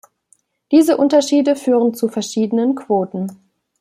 Diese Unterschiede führen zu verschiedenen Quoten.